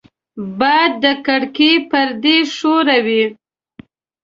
باد د کړکۍ پردې ښوروي